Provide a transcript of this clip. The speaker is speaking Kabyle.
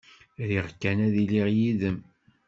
Riɣ kan ad iliɣ yid-m.